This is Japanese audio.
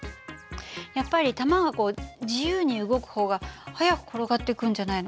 やっぱり玉がこう自由に動く方が速く転がってくんじゃないのかしら。